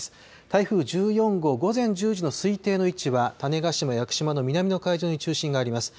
台風１４号、午前１０時の推定の位置は種子島・屋久島の南の海上に中心があります。